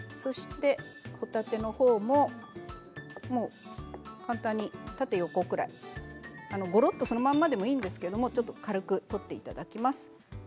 ほたてのほうも簡単に縦横ぐらいにごろっとそのままでもいいんですけれどちょっと軽く切っていただきます。